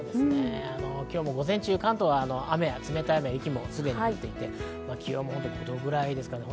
今日も午前中、関東は冷たい雨や雪も降っていて、気温も５度ぐらいです。